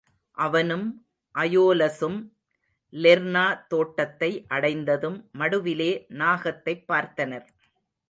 அவனும் அயோலஸும் லெர்னா தோட்டத்தை அடைந்ததும், மடுவிலே நாகத்தைப் பார்த்தனர்.